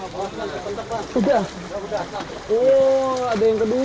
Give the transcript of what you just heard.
tidak ada yang kedua